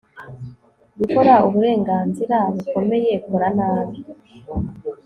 gukora uburenganzira bukomeye kora nabi